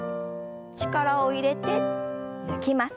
力を入れて抜きます。